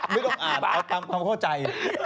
ไม่ต้องอ่านเอาตามความเข้าใจ